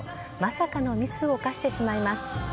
まさかのミスを犯してしまいます。